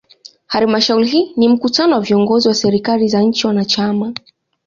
Halmashauri hii ni mkutano wa viongozi wa serikali za nchi wanachama.